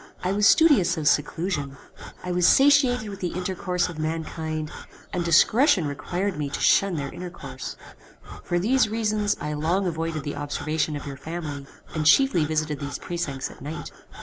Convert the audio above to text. "I was studious of seclusion: I was satiated with the intercourse of mankind, and discretion required me to shun their intercourse. For these reasons I long avoided the observation of your family, and chiefly visited these precincts at night.